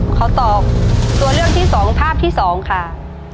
ขอตอบตัวเลือกที่๒ภาพที่๒ค่ะ